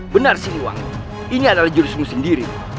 benar siliwang ini adalah jorusmu sendiri